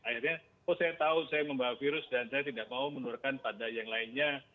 akhirnya oh saya tahu saya membawa virus dan saya tidak mau menurunkan pada yang lainnya